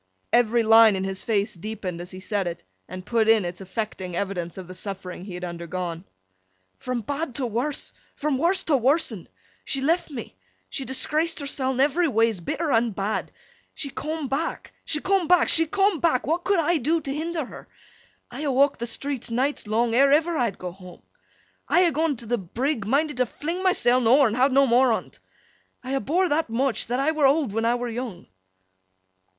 Every line in his face deepened as he said it, and put in its affecting evidence of the suffering he had undergone. 'From bad to worse, from worse to worsen. She left me. She disgraced herseln everyways, bitter and bad. She coom back, she coom back, she coom back. What could I do t' hinder her? I ha' walked the streets nights long, ere ever I'd go home. I ha' gone t' th' brigg, minded to fling myseln ower, and ha' no more on't. I ha' bore that much, that I were owd when I were young.